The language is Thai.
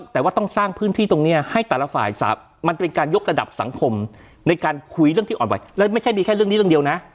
แต่ว่าต้องสร้างพื้นที่ตรงนี้ให้แต่ละฝ่ายมันเป็นการยกระดับสังคมในการคุยเรื่องที่อ่อนไหวแล้วไม่ใช่มีแค่เรื่องนี้เรื่องเดียวนะ